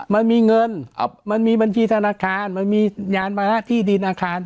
มันมีเงินมันมีบัญชีธนาคารมันมียานมานะที่ดินอาคาร